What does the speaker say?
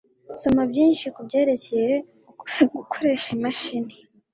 Soma byinshi kubyerekeye gukoresha imashini